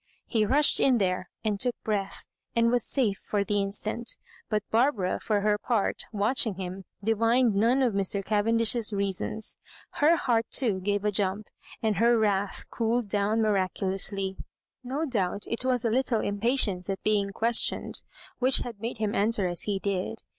He rushed in there, and took breath, and was safe for the instant But Barbara, for her part, watching him, divined none of Mr. Cavendish's reasons. Her heart too gave a jump, and her wrath cooled down miraculously. No doubt it was a little impatience at being questioned which had made him answer as he^did.